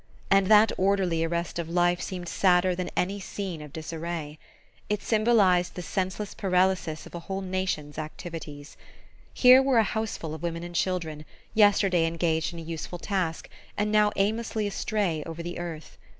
And that orderly arrest of life seemed sadder than any scene of disarray. It symbolized the senseless paralysis of a whole nation's activities. Here were a houseful of women and children, yesterday engaged in a useful task and now aimlessly astray over the earth.